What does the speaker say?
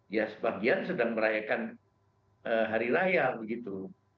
ya sebagian sedang merayakan hari raya begitu